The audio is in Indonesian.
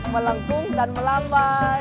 melengkung dan melambai